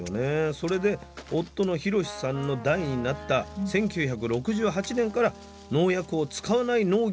それで夫の博四さんの代になった１９６８年から農薬を使わない農業を始めたんです。